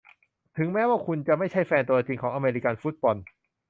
ถึงแม้ว่าคุณจะไม่ใช่แฟนตัวจริงของอเมริกันฟุตบอล